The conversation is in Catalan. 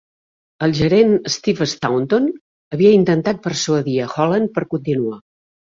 El gerent Steve Staunton havia intentat persuadir a Holland per continuar.